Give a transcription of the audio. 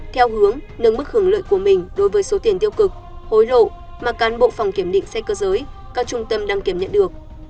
theo hướng nâng mức hưởng lợi của mình đối với số tiền tiêu cực hối lộ mà cán bộ phòng kiểm định xe cơ giới các trung tâm đăng kiểm nhận được